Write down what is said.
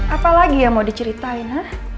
apalagi yang mau diceritain